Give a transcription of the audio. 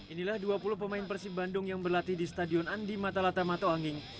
inilah dua puluh pemain persib bandung yang berlatih di stadion andi matalata mato anging